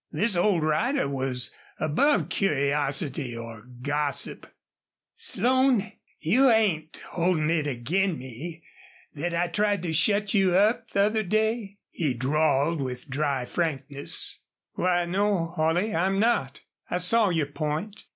This old rider was above curiosity or gossip. "Slone, you ain't holdin' it ag'in me thet I tried to shut you up the other day?" he drawled, with dry frankness. "Why, no, Holley, I'm not. I saw your point.